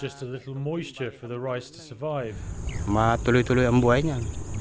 meskipun hanya ada sedikit kesehatan untuk berjaya